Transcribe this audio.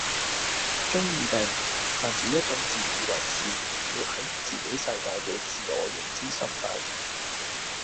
中二病泛指一種自以為是，活係自己世界嘅自我認知心態